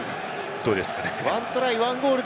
どうですかね？